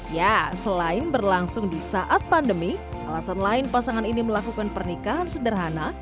ya selain berlangsung di saat pandemi alasan lain pasangan ini melakukan pernikahan sederhana